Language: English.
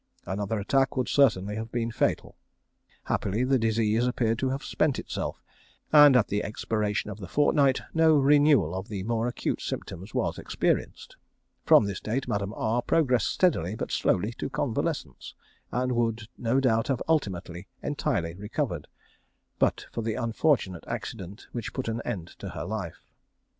Another attack would certainly have been fatal. Happily the disease appeared to have spent itself, and at the expiration of the fortnight no renewal of the more acute symptoms was experienced. From this date Madame R progressed steadily but slowly to convalescence, and would no doubt have ultimately entirely recovered, but for the unfortunate accident which put an end to her life.